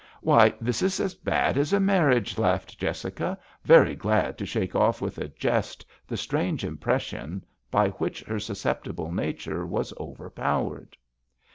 " Why, this is as bad as a mar riage," laughed Jessica, very glad to shake off with a jest the strange impression by which her susceptible nature was over powered.